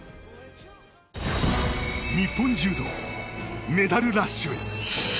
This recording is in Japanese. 日本柔道、メダルラッシュへ。